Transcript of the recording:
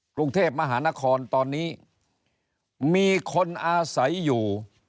กรุงเทพมหานครตอนนี้มีคนอาศัยอยู่